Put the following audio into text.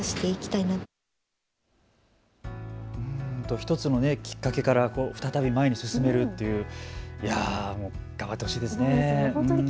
１つのきっかけから前に進める、頑張ってほしいですね。